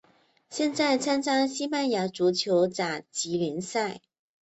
现在参加西班牙足球甲级联赛。